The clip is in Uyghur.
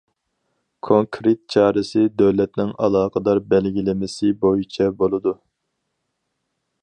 كونكرېت چارىسى دۆلەتنىڭ ئالاقىدار بەلگىلىمىسى بويىچە بولىدۇ.